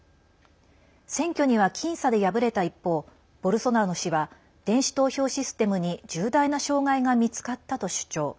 選挙には僅差で敗れた一方ボルソナロ氏は電子投票システムに重大な障害が見つかったと主張。